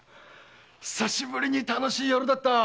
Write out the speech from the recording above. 久しぶりに楽しい夜だった！